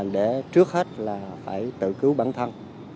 để trước hết là phải tự cứu bản thân